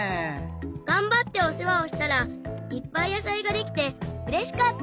がんばっておせわをしたらいっぱい野さいができてうれしかった！